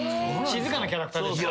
静かなキャラクターでした。